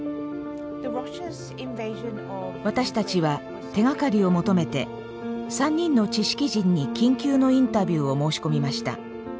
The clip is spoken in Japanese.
私たちは手がかりを求めて３人の知識人に緊急のインタビューを申し込みました。